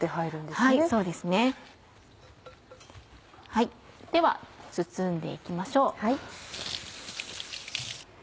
では包んで行きましょう。